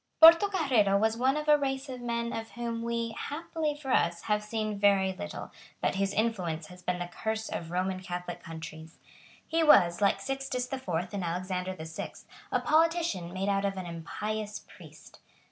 Portocarrero was one of a race of men of whom we, happily for us, have seen very little, but whose influence has been the curse of Roman Catholic countries. He was, like Sixtus the Fourth and Alexander the Sixth, a politician made out of an impious priest.